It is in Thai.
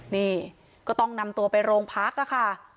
นี่ก็ต้องนำตัวไปโรงพักค่ะ